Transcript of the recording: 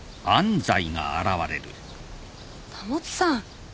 保さん